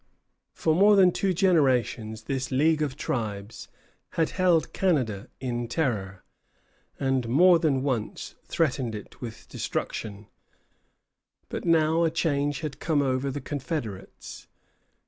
For more than two generations this league of tribes had held Canada in terror, and more than once threatened it with destruction. But now a change had come over the confederates.